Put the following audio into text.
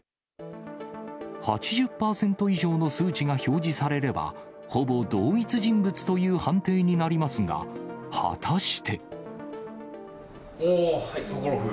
８０％以上の数値が表示されれば、ほぼ同一人物という判定になりますが、おー、ソコロフ。